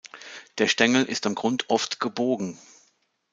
Der Stängel ist am Grund oft gebogen.